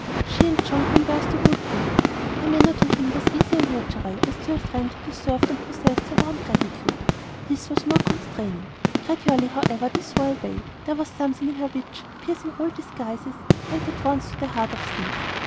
She and John conversed a good deal. Her manner to him was easy and natural, as to a friend who deserved and possessed her warm gratitude: his was more constrained. Gradually, however, this wore away; there was something in her which, piercing all disguises, went at once to the heart of things.